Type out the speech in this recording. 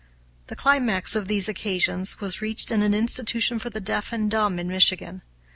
The climax of these occasions was reached in an institution for the deaf and dumb in Michigan.